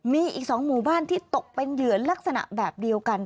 มีอีก๒หมู่บ้านที่ตกเป็นเหยื่อลักษณะแบบเดียวกัน